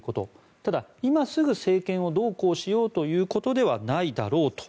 ただ、今すぐ政権をどうこうしようということではないだろうと。